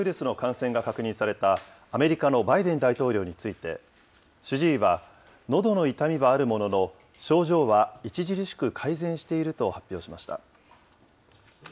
新型コロナウイルスの感染が確認された、アメリカのバイデン大統領について、主治医は、のどの痛みはあるものの、症状は著しく改善していると発表しました。